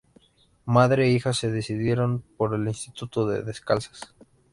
Madre e hijas se decidieron por el instituto de descalzas.